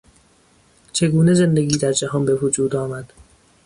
چگونه زندگی در جهان به وجود آمد؟